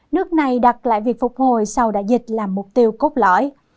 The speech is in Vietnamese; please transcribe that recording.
nước này đặt lại việc phục hồi sau đại dịch là mục tiêu cốt lõi